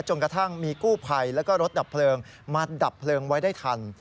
กระทั่งมีกู้ภัยแล้วก็รถดับเพลิงมาดับเพลิงไว้ได้ทัน